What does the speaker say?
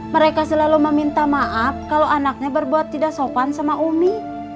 mereka selalu meminta maaf kalau anaknya berbuat tidak sopan sama umi